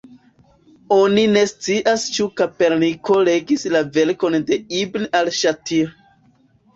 Oni ne scias ĉu Koperniko legis la verkon de ibn al-Ŝatir.